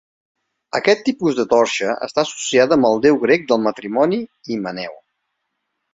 Aquest tipus de torxa està associada amb el déu grec del matrimoni, Himeneu.